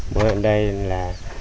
muốn ở đây là